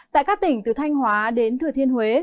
tại các tỉnh từ thanh hóa đến thừa thiên huế